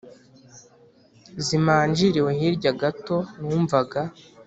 zimanjiriwe hirya gato numvaga